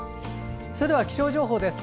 それでは気象情報です。